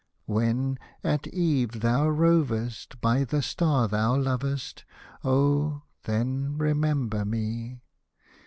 When, at eve, thou rovest By the star thou lovest, Oh ! then remember me.